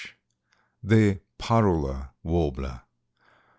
] THE PARULA WARBLER.